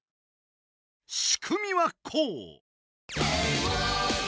し組みはこう！